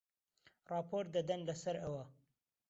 ڕاپۆرت دەدەن لەسەر ئەوە